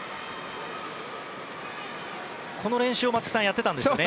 この練習をやっていたんですよね。